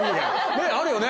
ねえあるよね？